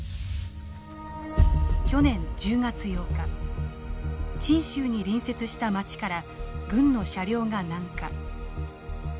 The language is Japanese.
去年１０月８日チン州に隣接した町から軍の車両が南下。